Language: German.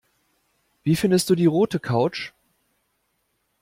Wie findest du die rote Couch?